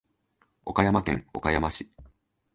岡山県岡山市